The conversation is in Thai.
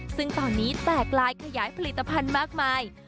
ซึ่งตอนนี้แตกลายขยายผลิตภัณฑ์มากมาย